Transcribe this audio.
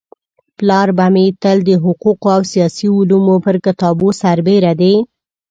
پلار به مي تل د حقوقو او سياسي علومو پر كتابو سربيره د